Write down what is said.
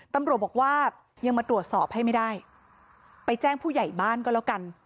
ตำรวจบอกว่ายังมาตรวจสอบให้ไม่ได้ไปแจ้งผู้ใหญ่บ้านก็แล้วกัน